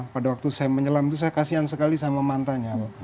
pada waktu saya menyelam itu saya kasihan sekali sama mantanya